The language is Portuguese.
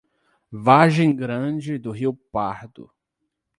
Vargem Grande do Rio Pardo